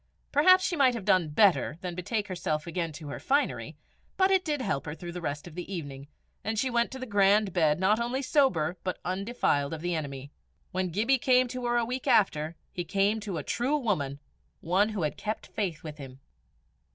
Perhaps she might have done better than betake herself again to her finery, but it did help her through the rest of the evening, and she went to her grand bed not only sober, but undefiled of the enemy. When Gibbie came to her a week after, he came to a true woman, one who had kept faith with him.